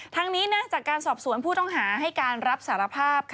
ทั้งนี้จากการสอบสวนผู้ต้องหาให้การรับสารภาพ